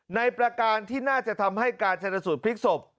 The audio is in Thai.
ประการที่น่าจะทำให้การชนสูตรพลิกศพ